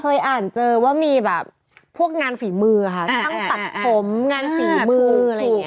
เคยอ่านเจอว่ามีแบบพวกงานฝีมือค่ะช่างตัดผมงานฝีมืออะไรอย่างนี้